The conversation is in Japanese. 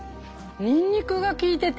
にんにくがきいてて。